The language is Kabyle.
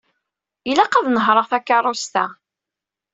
Ilaq ad nehṛeɣ takeṛṛust-a.